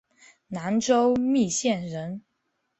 南州密县人。